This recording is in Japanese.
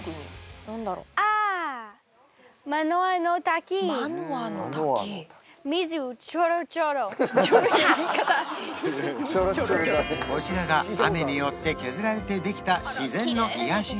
あこちらが雨によって削られてできた自然の癒やし